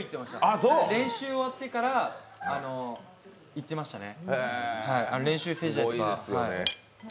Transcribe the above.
練習終わってから行ってましたね。